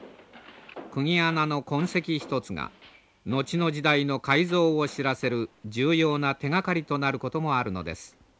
くぎ穴の痕跡一つが後の時代の改造を知らせる重要な手がかりとなることもあるのです。